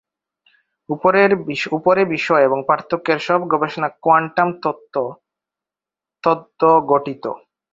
উপরে বিষয় এবং পার্থক্যের সব গবেষণা কোয়ান্টাম তথ্য তত্ত্ব গঠিত।